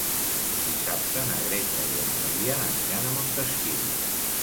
Dissabte na Greta i en Maria aniran a Montesquiu.